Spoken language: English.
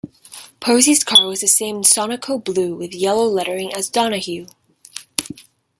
Posey's car was the same Sunoco Blue with yellow lettering as Donohue.